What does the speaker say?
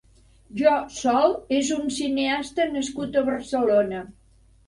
Jo Sol és un cineasta nascut a Barcelona.